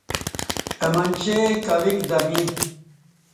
اہ منچے کویک دمیں